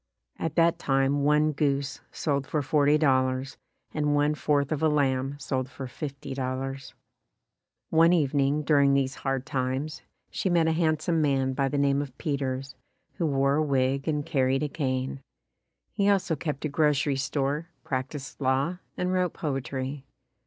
At that time one goose sold for forty dollars and one fourth of a lamb sold for fifty dollars. One evening during these hard times she met a handsome man by the name of Peters, who wore a wig and carried a cane. He also kept a grocery store, practiced law and wrote poetry.